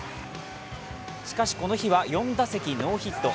しかし、この日は４打席ノーヒット。